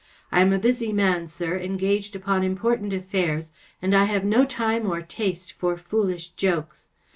I am a busy man, sir, engaged upon important affairs, and I have no time or taste for foolish jokes.